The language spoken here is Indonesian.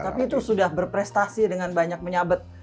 tapi itu sudah berprestasi dengan banyak menyabet